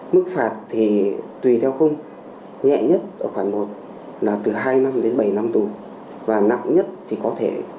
mức phạt thì tùy theo khung nhẹ nhất ở khoảng một là từ hai năm đến bảy năm tuổi